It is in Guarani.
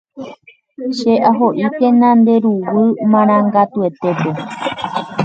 Che'aho'íkena nde ruguy marangatuetépe